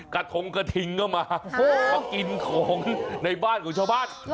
กระทงกระทิงก็มามากินของในบ้านของชาวบ้าน